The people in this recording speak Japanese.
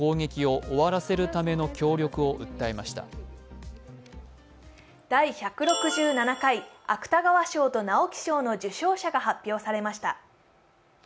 だい１６７回芥川賞と直木賞の受賞者が発表されました。